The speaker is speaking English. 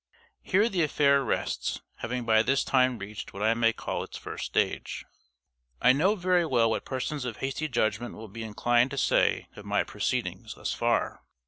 Here the affair rests, having by this time reached what I may call its first stage. I know very well what persons of hasty judgment will be inclined to say of my proceedings thus far.